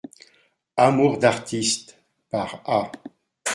Amours d'artistes, par A.